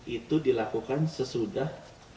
itu dilakukan sesudah